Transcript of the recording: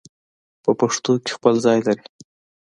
په پښتو کې خپل ځای لري